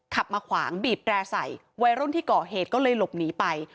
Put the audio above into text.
ขับมาขวางบีบแร่ใส่วัยรุ่นที่ก่อเหตุก็เลยหลบหนีไป